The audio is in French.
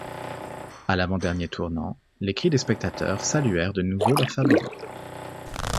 À l’avant-dernier tournant, les cris des spectateurs saluèrent de nouveau leurs favoris.